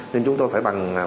nên chúng tôi phải bằng